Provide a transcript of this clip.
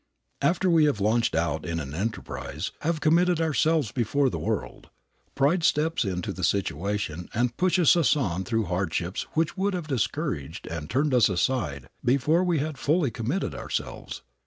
After we have launched out in an enterprise, have committed ourselves before the world, pride steps into the situation and pushes us on through hardships which would have discouraged and turned us aside before we had fully committed ourselves.